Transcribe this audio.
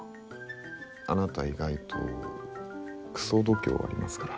あなた意外とくそ度胸ありますから。